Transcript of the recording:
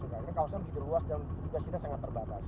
karena kawasan begitu luas dan tugas kita sangat terbatas